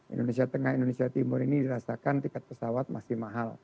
indonesia tengah indonesia timur ini dirasakan tiket pesawat masih mahal